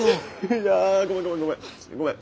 いやごめんごめんごめん。